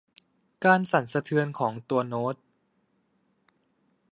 การสั่นสะเทือนของตัวโน้ต